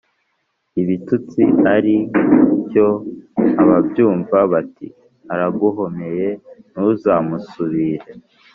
ibitutsi ari •cyo ababyumva bati « araguhomeye ntuzamusubire »'